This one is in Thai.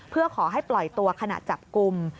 เพื่อขอให้ปล่อยตัวขณะจับกลุ่ม